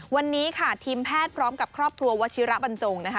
วันนี้ค่ะทีมแพทย์พร้อมกับครอบครัววัชิระบรรจงนะคะ